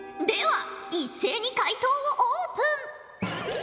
では一斉に解答をオープン。